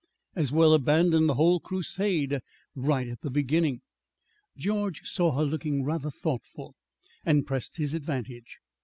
As well abandon the whole crusade right at the beginning. George saw her looking rather thoughtful, and pressed his advantage.